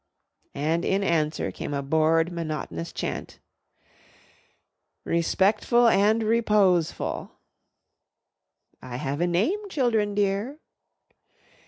And in answer came a bored monotonous chant: "Respectful and reposeful." "I have a name, children dear."